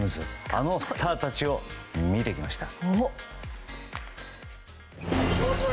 あのスターたちを見てきました。